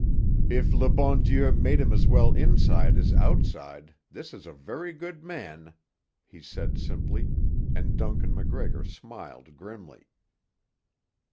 "If le bon Dieu made him as well inside as outside, this is a very good man," he said simply; and Duncan MacGregor smiled grimly.